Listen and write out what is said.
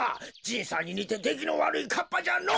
じいさんににてできのわるいかっぱじゃの。